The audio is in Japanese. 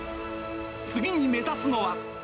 次に目指すのは。